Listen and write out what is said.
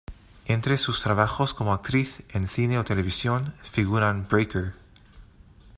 Entre sus trabajos como actriz, en cine o televisión, figuran "Breaker!